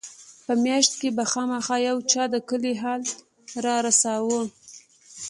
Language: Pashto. په مياشت کښې به خامخا يو چا د کلي حال رارساوه.